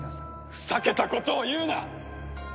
ふざけたことを言うな！